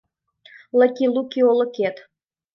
Лыки-луки олыкет